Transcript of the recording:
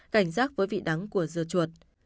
cảnh giác với vị đắng của dưa chuột